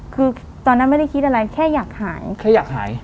คือตอนนั้นไม่ได้คิดอะไรแค่อยากหายแค่อยากหาย